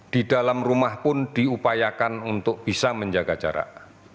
di dalam rumah pun diupayakan untuk bisa menjaga jarak